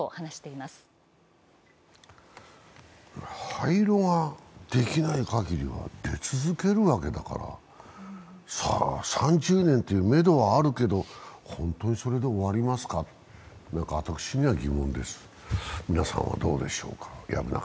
廃炉ができないかぎりは出続けるわけだから、３０年というめどはあるけど、本当にそれで終わりますかと私には疑問です、皆さんはどうでしょうか。